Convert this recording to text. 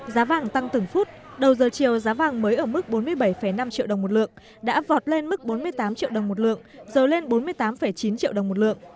giá vàng tăng từng phút đầu giờ chiều giá vàng mới ở mức bốn mươi bảy năm triệu đồng một lượng đã vọt lên mức bốn mươi tám triệu đồng một lượng rồi lên bốn mươi tám chín triệu đồng một lượng